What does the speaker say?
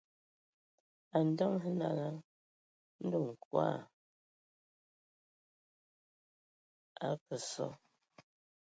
A ndǝŋə hm nala, ndɔ Nkɔg o akǝ sɔ,